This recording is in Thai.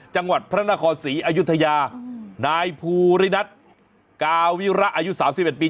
จังหวัดพระนครศรีอยุธยานายภูรินัทกาวิระอายุ๓๑ปี